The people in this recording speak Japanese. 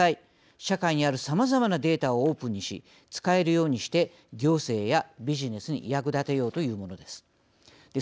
社会にあるさまざまなデータをオープンにし使えるようにして行政やビジネスに役立てようというものです。